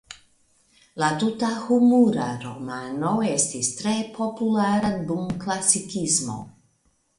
La tuta humura romano estis tre populara dum Klasikismo.